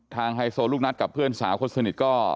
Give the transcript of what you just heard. ไฮโซลูกนัดกับเพื่อนสาวคนสนิทก็